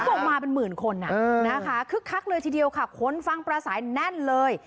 บอกมาเป็นหมื่นคนนะคะคึกคักเลยทีเดียวค่ะคนฟังปลาสายแน่นเลย